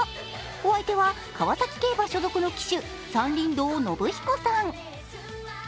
お相手は川崎競馬所属の騎手山林堂信彦さん。